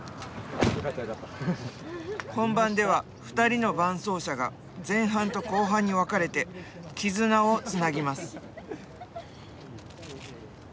本番では２人の伴走者が前半と後半に分かれて「絆」をつなぎます。